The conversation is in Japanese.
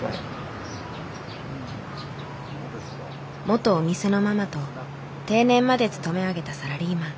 元お店のママと定年まで勤め上げたサラリーマン。